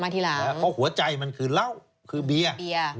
เพราะหัวใจมันคือเหล้าคือเบียร์